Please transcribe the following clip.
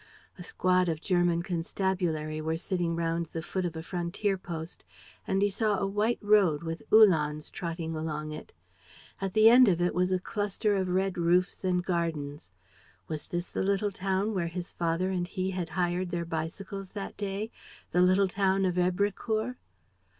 A squad of German constabulary were sitting round the foot of the frontier post; and he saw a white road with Uhlans trotting along it. At the end of it was a cluster of red roofs and gardens. Was this the little town where his father and he had hired their bicycles that day, the little town of Èbrecourt?